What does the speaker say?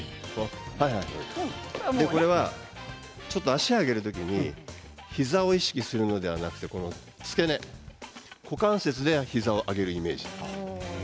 これはちょっと足を上げる時に膝を意識するのではなくて付け根股関節で膝を上げるイメージ。